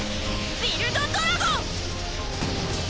ビルド・ドラゴン！